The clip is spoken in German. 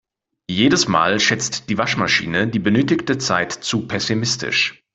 Jedes Mal schätzt die Waschmaschine die benötigte Zeit zu pessimistisch.